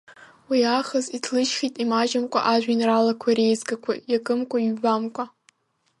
Уи аахыс иҭлыжьхьеит имаҷымкәа ажәеинраалақәа реизгақәа иакымкәа иҩбамкәа.